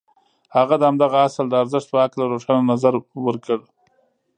هغه د همدغه اصل د ارزښت په هکله روښانه نظر ورکړ.